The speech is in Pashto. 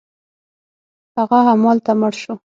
هغه همالته مړ شو.